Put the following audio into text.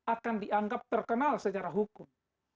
akan dianggap terkenal secara hukum